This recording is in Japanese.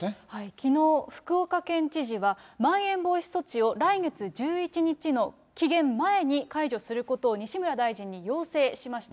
きのう、福岡県知事は、まん延防止措置を来月１１日の期限前に解除することを西村大臣に要請しました。